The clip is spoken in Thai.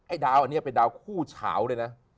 ดาวอันนี้เป็นดาวคู่เฉาเลยนะ